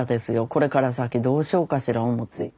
これから先どうしようかしら思うて。